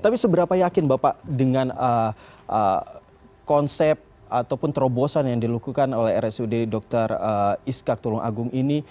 tapi seberapa yakin bapak dengan konsep ataupun terobosan yang dilakukan oleh rsud dr iskak tulung agung ini